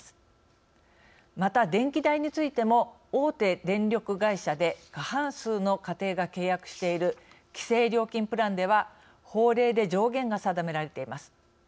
また電気代についても大手電力会社で過半数の家庭が契約している規制料金プランでは法令で上限が定められています。